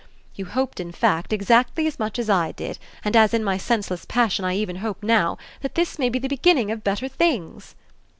You hoped in fact, exactly as much as I did and as in my senseless passion I even hope now, that this may be the beginning of better things."